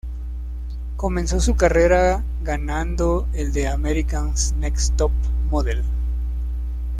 Comenzó su carrera ganando el de "America's Next Top Model".